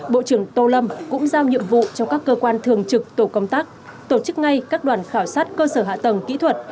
bộ trưởng tô lâm cũng giao nhiệm vụ cho các cơ quan thường trực tổ công tác tổ chức ngay các đoàn khảo sát cơ sở hạ tầng kỹ thuật